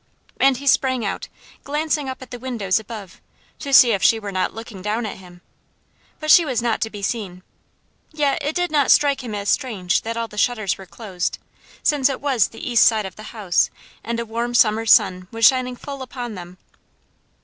And he sprang out, glancing up at the windows above, to see if she were not looking down at him; but she was not to be seen; yet it did not strike him as strange that all the shutters were closed, since it was the east side of the house, and a warm summer's sun was shining full upon them.